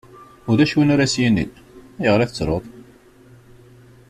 Ulac win ara as-yinin: ayɣer i tettruḍ.